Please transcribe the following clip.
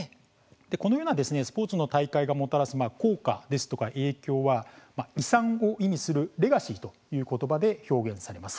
このようなスポーツの大会がもたらす効果ですとか影響は遺産を意味するレガシーという言葉で表現されます。